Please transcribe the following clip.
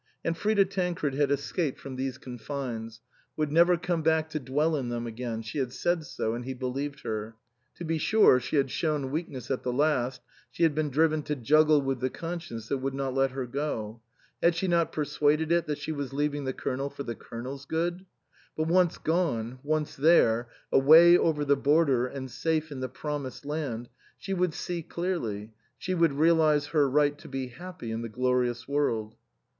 And Frida Tancred had escaped from these 124 INLAND confines, would never come back to dwell in them again ; she had said so, and he believed her. To be sure, she had shown weakness at the last, she had been driven to juggle with the conscience that would not let her go ; had she not per suaded it that she was leaving the Colonel for the Colonel's good ? But once gone, once there, away over the border and safe in the pro mised land, she would see clearly, she would realize her right to be happy in the glorious world.